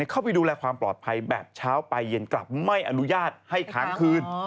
เข้าไปดูแลความปลอดภัยแบบเช้าไปเย็นกลับไม่อนุญาตให้ค้างคืน